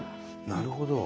なるほど。